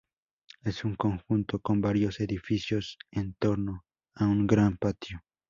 Es un conjunto con varios edificios en torno a un gran patio.